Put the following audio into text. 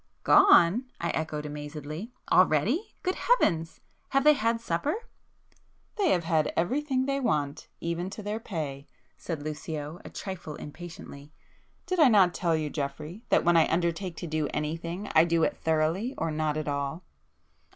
"Gone!" I echoed amazedly—"Already! Good heavens! have they had supper?" "They have had everything they want, even to their pay," said Lucio, a trifle impatiently—"Did I not tell you Geoffrey, that when I undertake to do anything, I do it thoroughly or not at all?"